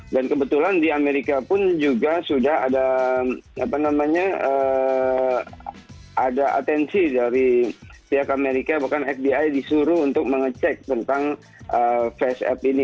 dan kebetulan di amerika pun juga sudah ada apa namanya ada atensi dari pihak amerika bahkan fbi disuruh untuk mengecek tentang faceapp ini